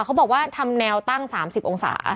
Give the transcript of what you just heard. เขาบอกว่าทำแนวตั้ง๓๐องศา